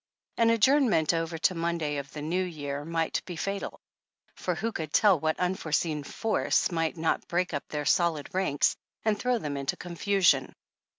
An adjourn^ ment over to Monday of the New Year might be fatal, for who could tell what unforseen force might not break up their solid ranks and throw them inta confusion.